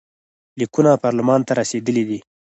لیکونه پارلمان ته رسېدلي دي.